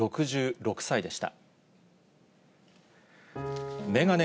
６６歳でした。